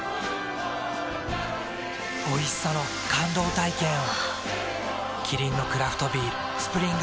おいしさの感動体験を。